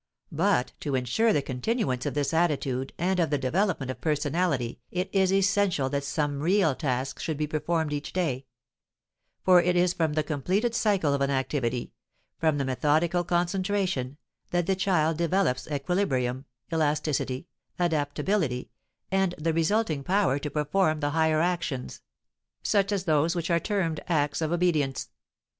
But to ensure the continuance of this attitude and of the development of personality it is essential that some real task should be performed each day; for it is from the completed cycle of an activity, from methodical concentration, that the child develops equilibrium, elasticity, adaptability, and the resulting power to perform the higher actions, such as those which are termed acts of obedience.